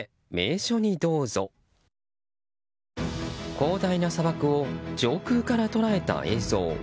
広大な砂漠を上空から捉えた映像。